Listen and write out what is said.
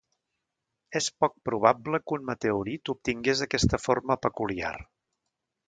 És poc probable que un meteorit obtingués aquesta forma peculiar.